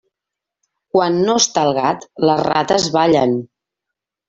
Quan no està el gat, les rates ballen.